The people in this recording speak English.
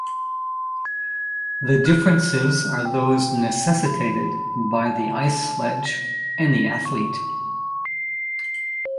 The differences are those necessitated by the ice sledge and the athlete.